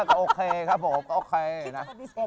ก็โอเคครับผมโอเคนะ